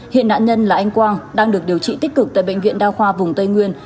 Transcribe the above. hiện nạn nhân là anh quang đang được điều trị tích cực tại bệnh viện đa khoa vùng tây nguyên